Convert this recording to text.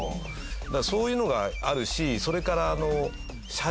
だからそういうのがあるしそれからあの。